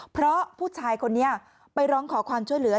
เพราะผู้ชายคนนี้ไปร้องขอความช่วยเหลือ